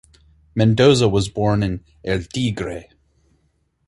Mendoza was born in El Tigre.